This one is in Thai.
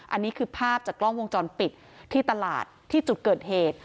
อันนี้คือภาพจากกล้องวงจรปิดที่ตลาดที่จุดเกิดเหตุ